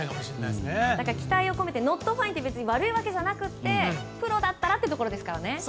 期待を込めてノットファインは別に悪いことじゃなくてプロだったらというところですもんね。